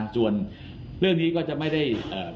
ส่วนเรื่องนี้ก็จะไม่ได้